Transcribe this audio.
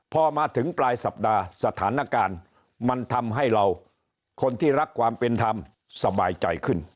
พอมาถึงปลายสัปดาห์สถานการณ์มันทำให้เราคนที่รักความเป็นธรรมสบายใจขึ้น